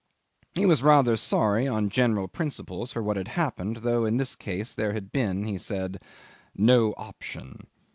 He was rather sorry, on general principles, for what had happened, though in this case there had been, he said, "no option."